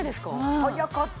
早かった。